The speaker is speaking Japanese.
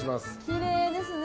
きれいですね。